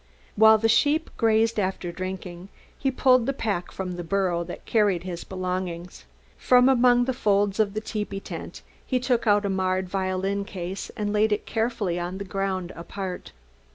While the sheep grazed after drinking he pulled the pack from the burro that carried his belongings. From among the folds of a little tepee tent he took out a marred violin case and laid it carefully on the ground, apart.